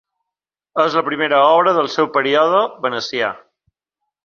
És la primera obra del seu període venecià.